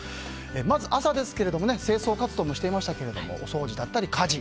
まず、朝ですが清掃活動もしていましたがお掃除だったり家事。